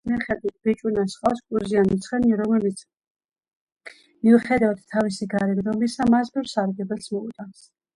სიუჟეტის მიხედვით, ბიჭუნას ჰყავს კუზიანი ცხენი, რომელიც, მიუხედავად თავისი გარეგნობისა, მას ბევრ სარგებელს მოუტანს.